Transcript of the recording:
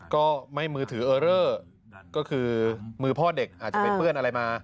ก็ไม่มือถือเออเลอร์ก็คือมือพ่อเด็กอาจจะไปเปื้อนอะไรมา